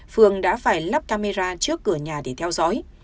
phường đã phải lắp camera trước cửa nhà để theo dõi